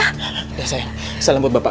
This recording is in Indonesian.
udah sayang salam buat bapak